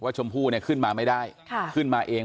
ชมพู่เนี่ยขึ้นมาไม่ได้ขึ้นมาเอง